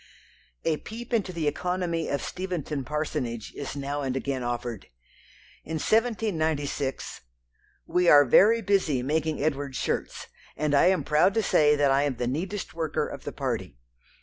A peep into the economy of Steventon parsonage is now and again offered. In 1796, "We are very busy making Edward's shirts, and I am proud to say that I am the neatest worker of the party.